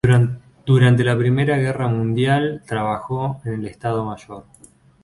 Durante la Primera guerra mundial trabajó en el Estado mayor.